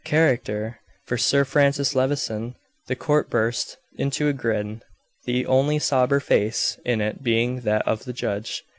Character! for Sir Francis Levison! The court burst into a grin; the only sober face in it being that of the judge.